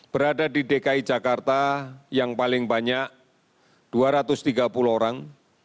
berada di dki jakarta yang paling banyak dua ratus tiga puluh orang